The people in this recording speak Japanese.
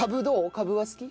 カブは好き？